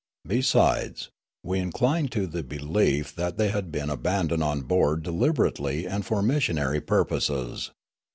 Besides, we inclined to the belief that they had been abandoned on board de liberately and for missionary purposes.